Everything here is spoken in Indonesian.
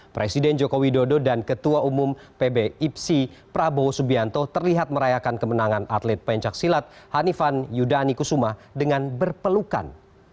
presiden joko widodo dan ketua umum pb ipsi prabowo subianto terlihat merayakan kemenangan atlet pencaksilat hanifan yudani kusuma dengan berpelukan